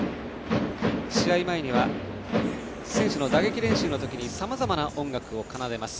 試合前には選手の打撃練習のときにさまざまな音楽を奏でます。